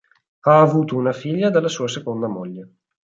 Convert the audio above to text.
Ha avuto una figlia dalla sua seconda moglie.